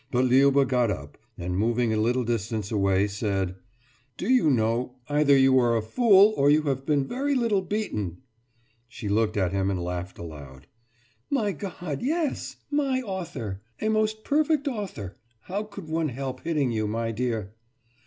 But Liuba got up, and moving a little distance away said: »Do you know ... either you are a fool or you have been very little beaten!« She looked at him and laughed aloud. »My God, yes! My author! A most perfect author! How could one help hitting you, my dear?